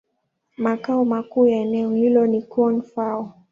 Makao makuu ya eneo hilo ni Koun-Fao.